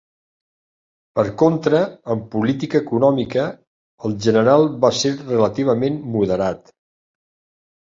Per contra, en política econòmica, el general va ser relativament moderat.